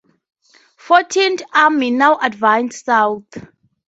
Fourteenth Army now advanced south.